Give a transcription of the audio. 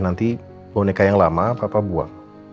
nanti boneka yang lama papa buang